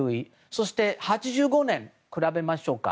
そして８５年と比べましょうか。